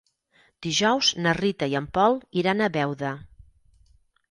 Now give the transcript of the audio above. Dijous na Rita i en Pol iran a Beuda.